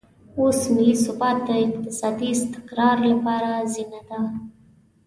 اوس ملي ثبات د اقتصادي استقرار لپاره زینه ده.